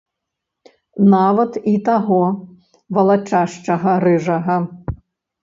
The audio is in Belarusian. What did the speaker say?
Нават і таго валачашчага, рыжага.